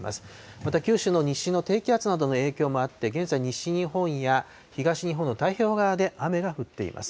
また九州の西の低気圧などの影響もあって、現在、西日本や東日本の太平洋側で雨が降っています。